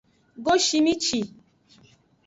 Goshimici.